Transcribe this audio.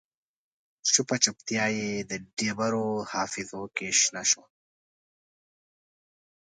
چوپه چوپتیا یې د ډبرو حافظو کې شنه شوه